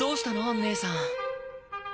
義姉さん。